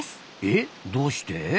えどうして？